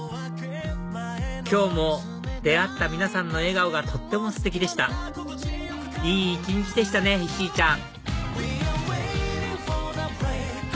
今日も出会った皆さんの笑顔がとってもステキでしたいい一日でしたね石井ちゃん